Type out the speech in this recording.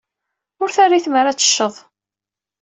Ur terri tmara ad t-tecceḍ.